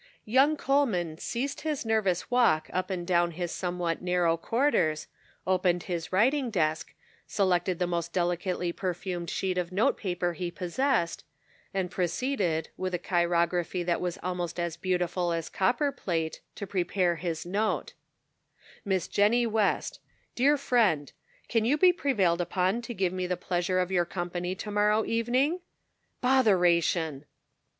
Young Coleman ceased his nervous walk up and down his somewhat narrow quarters, opened his writing desk, selected the most delicately perfumed sheet of note paper he possessed, and proceeded, with a chirography that was almost as beautiful as copper plate to prepare his note :" Miss Jennie West : Dear Friend :— Can you be prevailed upon to give me the pleasure of your company to morrow evening ? Both eration